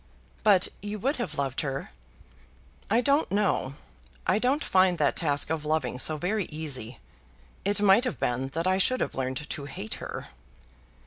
"But you would have loved her?" "I don't know. I don't find that task of loving so very easy. It might have been that I should have learned to hate her."